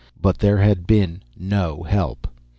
But there had been no help.